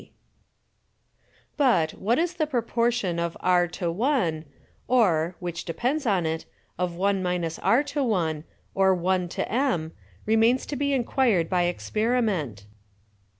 But, what is the Proportion of r to 1, or (which depends on it) of 1 r to 1, or 1 to m; remains to be inquired by Experiment?